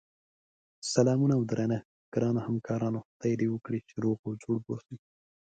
سلامونه اودرنښت ګراونوهمکارانو خدای دی وکړی چی روغ اوجوړبه اووسی